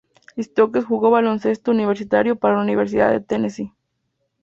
Stokes jugó baloncesto universitario para la Universidad de Tennessee.